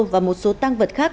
và một số tăng vật khác